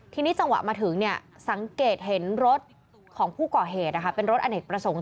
ทีนี้จังหวะมาถึงสังเกตเห็นรถของผู้ก่อเหตุเป็นรถอเนกประสงค์